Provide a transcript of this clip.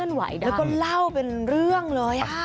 แล้วก็เล่าเป็นเรื่องเลย